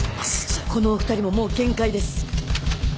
このお二人ももう限界です